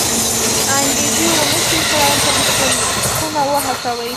انګېزې و نه شوی کړای پرمختګونه وهڅوي.